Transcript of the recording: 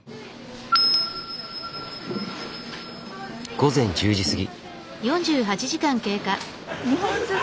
午前１０時過ぎ。